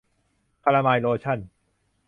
คาลาไมน์โลชั่น